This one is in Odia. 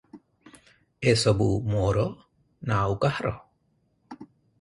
ଏସବୁ ମୋର ନା ଆଉ କାହାର?